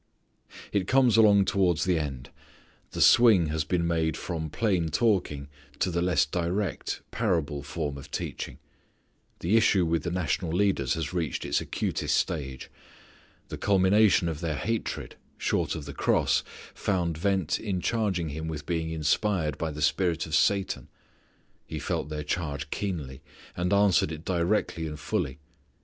It comes along towards the end. The swing has been made from plain talking to the less direct, parable form of teaching. The issue with the national leaders has reached its acutest stage. The culmination of their hatred, short of the cross, found vent in charging Him with being inspired by the spirit of Satan. He felt their charge keenly and answered it directly and fully.